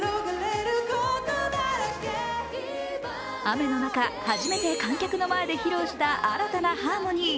雨の中、初めて観客の前で披露した新たなハーモニー。